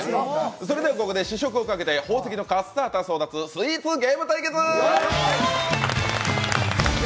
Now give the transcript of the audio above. それではここで試食をかけて宝石のカッサータ争奪スイーツゲーム対決。